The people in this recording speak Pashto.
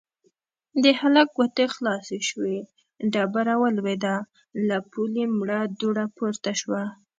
د هلک ګوتې خلاصې شوې، ډبره ولوېده، له پولې مړه دوړه پورته شوه.